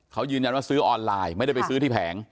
เขายืนยันว่าซื้อออนไลน์ไม่ได้ไปซื้อที่แผง